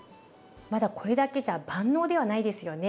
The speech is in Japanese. まだこれだけじゃ万能ではないですよね。